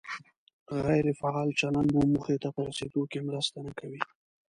غیر فعال چلند مو موخې ته په رسېدو کې مرسته نه کوي.